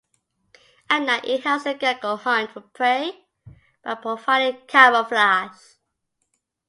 At night it helps the gecko hunt for prey by providing camouflage.